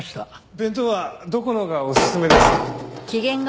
弁当はどこのがおすすめですか。